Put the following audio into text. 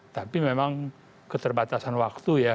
tapi memang keterbatasan waktu ya